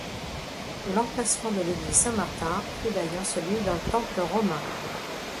L'emplacement de l'église Saint-Martin fut d'ailleurs celui d'un temple romain.